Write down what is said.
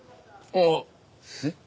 あっ。えっ？